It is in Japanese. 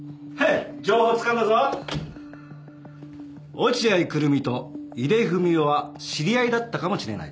落合久瑠実と井出文雄は知り合いだったかもしれない。